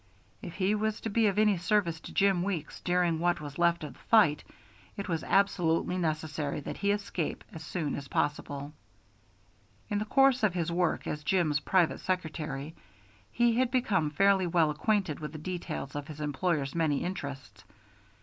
If he was to be of any service to Jim Weeks during what was left of the fight, it was absolutely necessary that he escape as soon as possible. In the course of his work as Jim's private secretary he had become fairly well acquainted with the details of his employer's many interests.